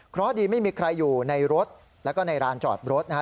เพราะดีไม่มีใครอยู่ในรถแล้วก็ในร้านจอดรถนะฮะ